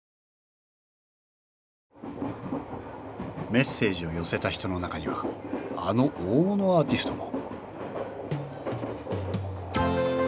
メッセージを寄せた人の中にはあの大物アーティストも！